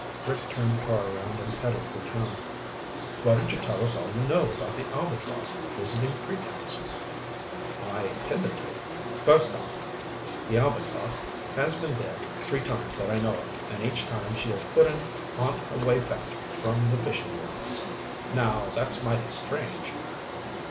Rick turned the car around and headed for town. "Why don't you tell us all you know about the Albatross visiting Creek House?" "I intended to. First off, the Albatross has been there three times that I know of. And each time she has put in on her way back from the fishing grounds. Now, that's mighty strange.